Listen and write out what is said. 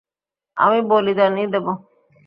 আমি বলিদানই দেব।